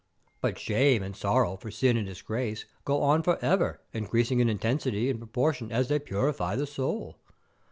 But shame and sorrow for sin and disgrace go on for ever increasing in intensity, in proportion as they purify the soul.